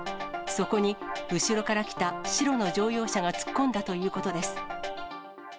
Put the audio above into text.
そこに後ろから来た白の乗用車が突っ込んだということです。